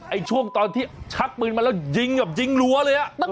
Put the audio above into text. ช่วงตอนที่ชักปืนมาแล้วยิงแบบยิงรั้วเลย